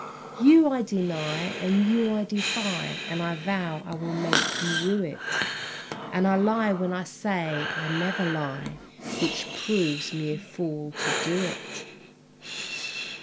You I deny and you I defy And I vow I will make you rue it; And I lie when I say that I never lie, Which proves me a fool to do it!